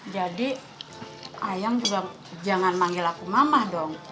jadi ayang juga jangan panggil aku mama dong